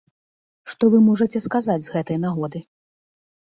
Што вы можаце сказаць з гэтай нагоды?